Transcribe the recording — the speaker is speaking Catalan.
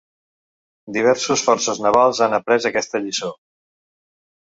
Diversos forces navals han après aquesta lliçó.